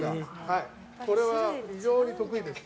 これは非常に得意です。